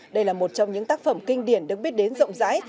đây là một trong những tác phẩm kinh điển được biết đến rộng rãi